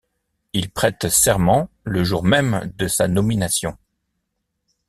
Il prête serment le jour même de sa nomination.